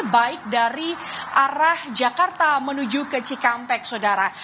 baik dari arah jakarta menuju ke cikampek saudara